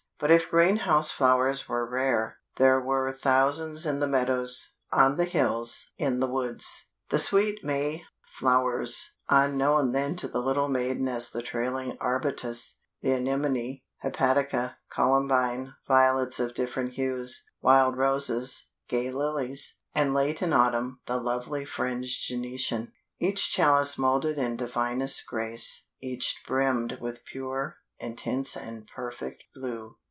But if greenhouse flowers were rare, there were thousands in the meadows, on the hills, in the woods; the sweet May flowers, unknown then to the little maiden as the Trailing Arbutus, the Anemone, Hepatica, Columbine, Violets of different hues, Wild Roses, Gay Lilies, and late in autumn, the lovely fringed Gentian: "Each chalice molded in divinest grace, Each brimmed with pure, intense and perfect blue."